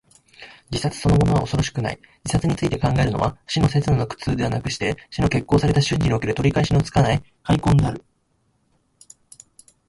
自殺そのものは恐ろしくない。自殺について考えるのは、死の刹那の苦痛ではなくして、死の決行された瞬時における、取り返しのつかない悔恨である。